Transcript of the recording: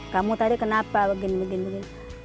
kamu tadi kenapa begini begini